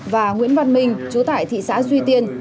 và nguyễn văn minh chú tại thị xã duy tiên